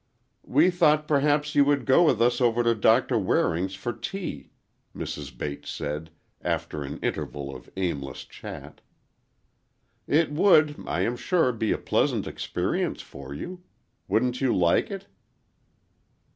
"We thought perhaps you would go with us over to Doctor Waring's for tea," Mrs. Bates said, after an interval of aimless chat. "It would, I am sure be a pleasant experience for you. Wouldn't you like it?"